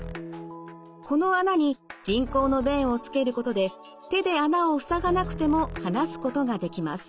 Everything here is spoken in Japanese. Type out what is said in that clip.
この孔に人工の弁をつけることで手で孔を塞がなくても話すことができます。